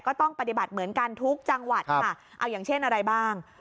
ก็ต้องปฏิบัติเหมือนกันทุกจังหวัดค่ะเอาอย่างเช่นอะไรบ้าง